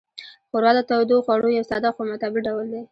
ښوروا د تودوخوړو یو ساده خو معتبر ډول دی.